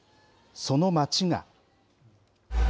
その町が。